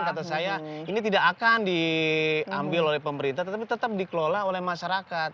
kata saya ini tidak akan diambil oleh pemerintah tetapi tetap dikelola oleh masyarakat